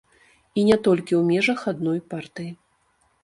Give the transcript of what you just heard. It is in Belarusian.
І не толькі ў межах адной партыі.